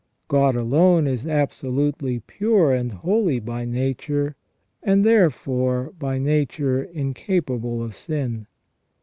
God alone is absolutely pure and holy by nature, and therefore by nature incapable of sin.